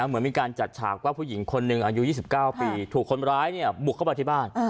เหมือนมีการจัดฉากว่าผู้หญิงคนหนึ่งอายุ๒๙ปีถูกคนร้ายบุกเข้ามาที่บ้าน